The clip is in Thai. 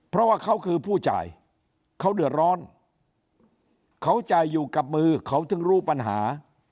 เพราะว่าเขาคือผู้จ่ายเขาเดือดร้อนเขาจ่ายอยู่กับมือเขาถึงรู้ปัญหา